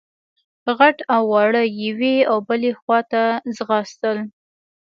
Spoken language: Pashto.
غټ او واړه يوې او بلې خواته ځغاستل.